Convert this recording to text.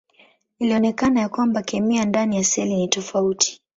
Ilionekana ya kwamba kemia ndani ya seli ni tofauti.